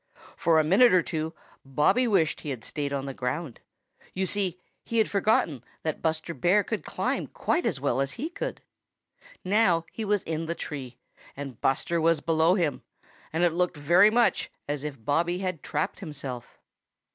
For a minute or two Bobby wished he had stayed on the ground. You see, he had forgotten that Buster Bear could climb quite as well as he could. Now he was in the tree, and Buster was below him, and it looked very much as if Bobby had trapped himself.